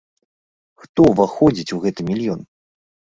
Хто ўваходзіць у гэты мільён?